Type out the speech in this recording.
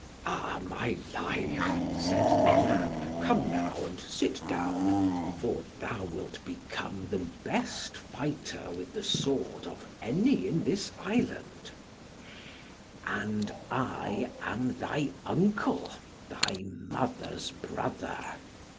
"Ah, my life," said the man, "come now, and sit down, for thou wilt become the best fighter with the sword of any in this island; and I am thy uncle, thy mother's brother.